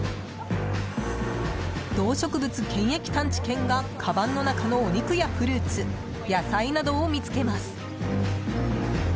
動植物検疫探知犬がかばんの中のお肉やフルーツ野菜などを見つけます。